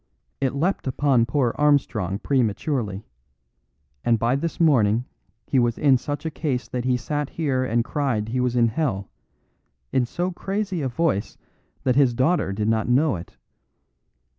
It leapt upon poor Armstrong prematurely, and by this morning he was in such a case that he sat here and cried he was in hell, in so crazy a voice that his daughter did not know it.